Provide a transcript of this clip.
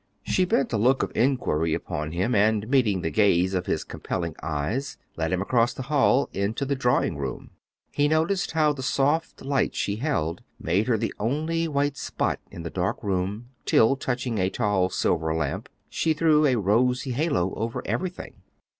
She bent a look of inquiry upon him, and meeting the gaze of his compelling eyes, led him across the hall into the drawing room. He noticed how the soft light she held made her the only white spot in the dark room, till, touching a tall silver lamp, she threw a rosy halo over everything.